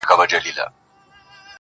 په سبا به آوازه سوه په وطن کي،